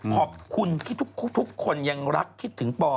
ขอบคุณที่ทุกคนยังรักคิดถึงปอ